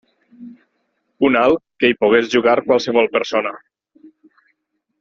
Un al que hi pogués jugar qualsevol persona.